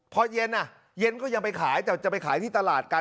พอเย็นเย็นก็ยังไปขายแต่จะไปขายที่ตลาดกัน